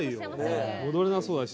戻れなそうだし。